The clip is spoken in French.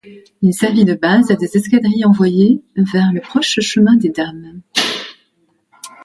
Il servit de base à des escadrilles envoyées vers le proche Chemin des Dames.